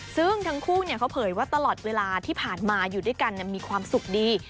ซึ่งทั้งคู่เขาเผยว่าตลอดเวลาที่ผ่านมาอยู่ด้วยกันมีความสุขดี